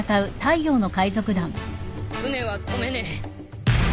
船は止めねえ